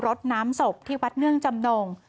รถน้ำศพที่วัดเนื่องจำนง